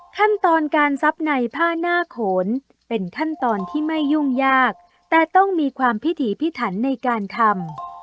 ขั้นตอนการซับในผ้าหน้าโขนเป็นขั้นตอนที่ไม่ยุ่งยากแต่ต้องมีความพิถีพิถันในการทำ